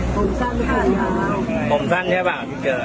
ห่วงสั้นห่วงสั้นแค่บอกที่เจอ